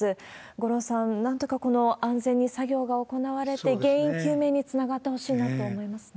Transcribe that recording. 五郎さん、なんとかこの安全に作業が行われて、原因究明につながってほしいなと思いますね。